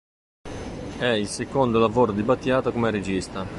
È il secondo lavoro di Battiato come regista.